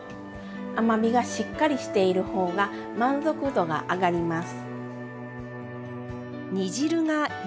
甘みがしっかりしている方が満足度が上がります！